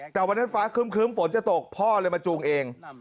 แต่วันนั้นฟ้าครึ้มฝนจะตกพ่อเลยมาจูงเอง